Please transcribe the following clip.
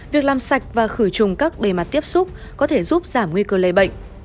việc làm sạch và khử trùng các bề mặt tiếp xúc có thể giúp giảm nguy cơ lây bệnh